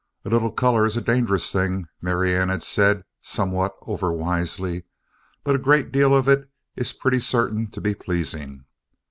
"A little color is a dangerous thing," Marianne had said, somewhat overwisely, "but a great deal of it is pretty certain to be pleasing."